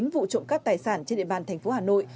chín vụ trộm các tài sản trên địa bàn thành phố hà nội